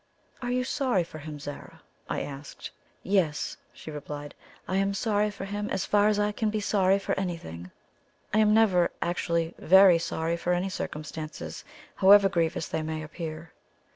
"Are you sorry for him, Zara?" I asked. "Yes," she replied; "I am sorry for him as far as I can be sorry for anything. I am never actually VERY sorry for any circumstances, however grievous they may appear."